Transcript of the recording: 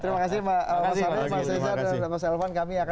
terima kasih pak sajid pak sajid zahar dan pak selvan